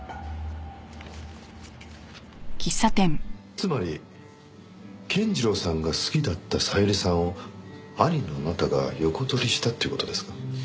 つまり健次郎さんが好きだった小百合さんを兄のあなたが横取りしたという事ですか？